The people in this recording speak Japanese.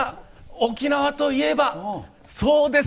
沖縄といえば、そうです！